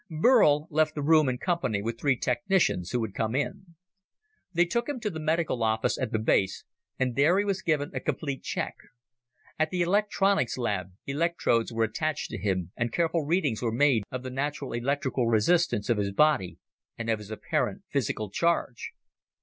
Burl left the room in company with three technicians who had come in. They took him to the medical office at the base and there he was given a complete check. At the electronics lab, electrodes were attached to him and careful readings were made of the natural electrical resistance of his body, and of his apparent physical charge.